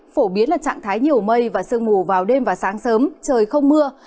phổ biến là trạng thái nhiều mây và sương mù vào đêm và sáng sớm trời không mưa